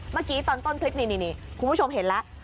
เมื่อกี้ตอนต้นคลิปนี้นี่คุณผู้ชมเห็นแล้ว